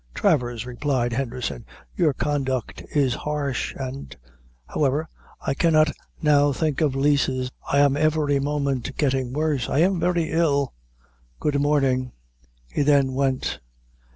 "Travers," replied Henderson, "your conduct is harsh and however, I cannot now think of leases I am every moment getting worse I am very ill good morning." He then went.